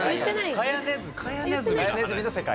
カヤネズミの世界。